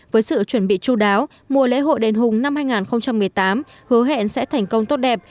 với sự chuẩn bị chú đáo mùa lễ hội đền hùng năm hai nghìn một mươi tám hứa hẹn sẽ thành công tốt đẹp